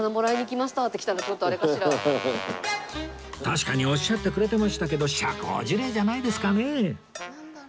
確かにおっしゃってくれてましたけど社交辞令じゃないですかね？